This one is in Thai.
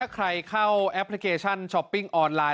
ใครเข้าแอปพลิเคชันช้อปปิ้งออนไลน